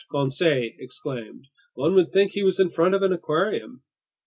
Conseil exclaimed. "One would think he was in front of an aquarium!"